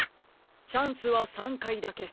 「チャンスは３かいだけ」。